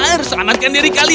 ya benar sanatkan diri kalian